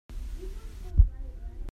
A zawt i a rawm deuh khan a rian in aa din.